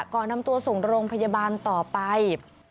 ก่อนนำตัวส่งโรงพยาบาลต่อไป